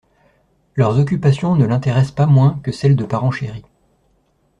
Leurs occupations ne l'intéressent pas moins que celles de parents chéris.